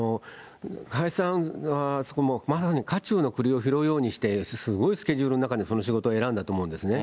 林さんはまさに火中のくりを拾うようにしてすごいスケジュールの中に、その仕事を選んだと思うんですね。